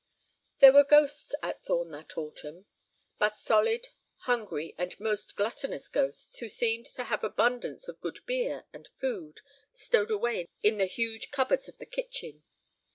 There were ghosts at Thorn that autumn—but solid, hungry, and most gluttonous ghosts, who seemed to have abundance of good beer and food stowed away in the huge cupboards of the kitchen.